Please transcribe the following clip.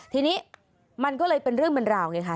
ทีนี้มันก็เลยเป็นเรื่องเป็นราวไงค่ะ